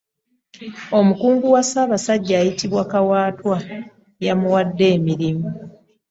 Omukungu wa Ssaabasajja ayitibwa Kawaatwa yawummudde emirimu.